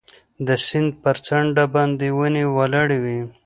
د سیند پر څنډه باندې ونې ولاړې وې.